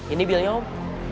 ini beli hp